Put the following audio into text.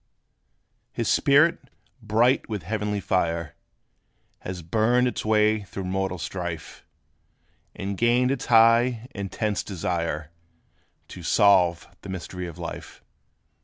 His spirit, bright with heavenly fire, Has burned its way through mortal strife; And gained its high, intense desire To solve the mystery of life.